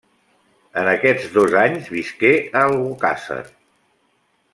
En aquests dos anys visqué a Albocàsser.